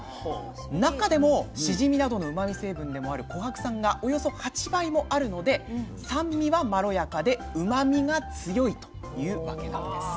中でもしじみなどのうまみ成分でもあるコハク酸がおよそ８倍もあるので酸味はまろやかでうまみが強いというわけなんです。